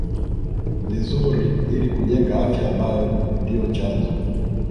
vizuri ili kujenga afya ambayo ndio chanzo